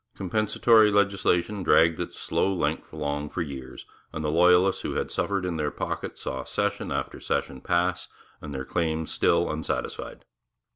Compensatory legislation dragged its slow length along for years, and the loyalists who had suffered in their pocket saw session after session pass, and their claims still unsatisfied.